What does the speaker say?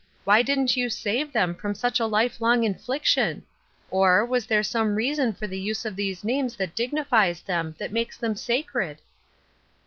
Why didn't you save them from such a life long iiifliction ? Or, was there some reason for the use of these names that dignifies them — that makes them sacred